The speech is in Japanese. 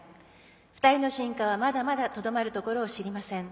２人の進化は、まだまだとどまるところ知りません。